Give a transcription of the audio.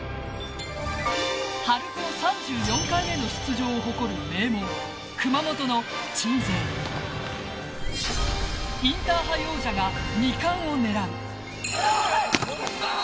春高３４回目の出場を誇る名門熊本の鎮西インターハイ王者が２冠を狙う。